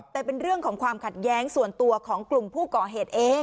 แต่เป็นเรื่องของความขัดแย้งส่วนตัวของกลุ่มผู้ก่อเหตุเอง